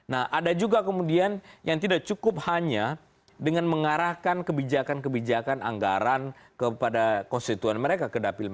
nah ada juga kemudian yang tidak cukup hanya dengan mengarahkan kebijakan kebijakan anggaran kepada konstituen mereka ke dapil